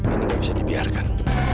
ini gak bisa dibiarkan